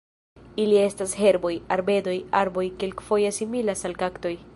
Ili estas herboj, arbedoj, arboj, kelkfoje similas al kaktoj.